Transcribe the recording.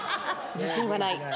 自信はない。